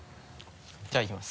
じゃあいきます。